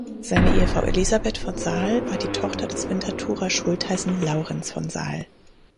Seine Ehefrau Elisabeth von Sal war die Tochter des Winterthurer Schultheissen Laurenz von Sal.